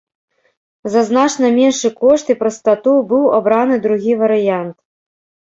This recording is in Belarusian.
За значна меншы кошт і прастату быў абраны другі варыянт.